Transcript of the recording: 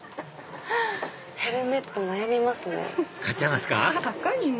ヘルメット悩みますね。